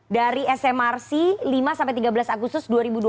dari smrc lima sampai tiga belas agustus dua ribu dua puluh